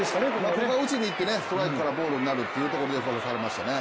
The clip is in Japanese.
ここは打ちにいってストライクからボールになるというところで振らされましたね。